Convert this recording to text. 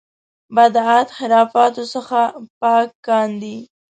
بدعت خرافاتو څخه پاک کاندي.